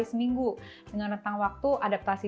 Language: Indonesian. seminggu dengan rentang waktu adaptasi